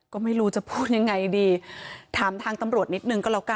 ก็ไม่รู้จะพูดยังไงดีถามทางตำรวจนิดนึงก็แล้วกัน